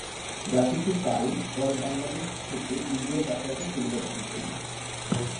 যা কিছু কাল পরে বাংলাদেশ থেকে ইন্ডিয়া যাতায়াতের সুবিধা বহন করবে।